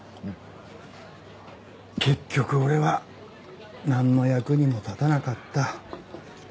結局俺はなんの役にも立たなかった。